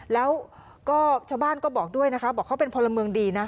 แล้วก็ชาวบ้านก็บอกด้วยนะคะบอกเขาเป็นพลเมืองดีนะ